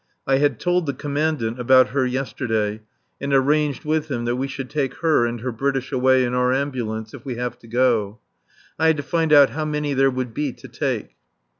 I had told the Commandant about her yesterday, and arranged with him that we should take her and her British away in our Ambulance if we have to go. I had to find out how many there would be to take.